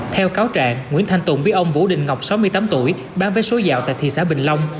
theo cáo trạng nguyễn thanh tùng biết ông vũ đình ngọc sáu mươi tám tuổi bán vé số dạo tại thị xã bình long